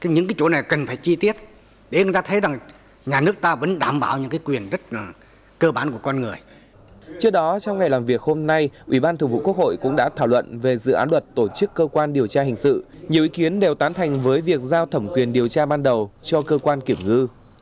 nhiều ý kiến đều tán thành với việc giao thẩm quyền điều tra ban đầu cho cơ quan kiểm ngư